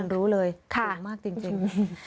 รู้เลยสูงมากจริง